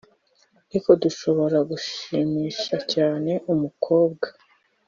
ariko dushobora gushimisha cyane umukobwa